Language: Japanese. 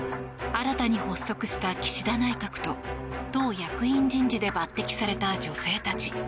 新たに発足した岸田内閣と党役員人事で抜擢された女性たち。